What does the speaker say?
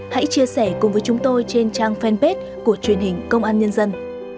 hãy chia sẻ cùng với chúng tôi trên trang fanpage của truyền hình công an nhân dân